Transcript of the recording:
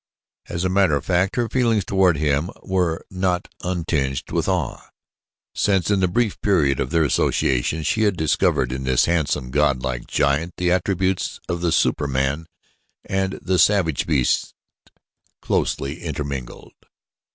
As a matter of fact, her feelings toward him were not un tinged with awe, since in the brief period of their association she had discovered in this handsome, godlike giant the attributes of the superman and the savage beast closely intermingled.